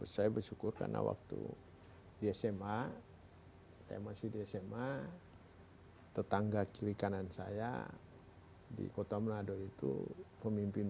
saya bersyukur karena waktu di sma saya masih di sma tetangga kiri kanan saya di kota manado itu pemimpin